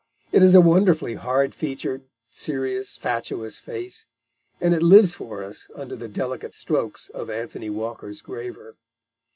It is a wonderfully hard featured, serious, fatuous face, and it lives for us under the delicate strokes of Anthony Walker's graver.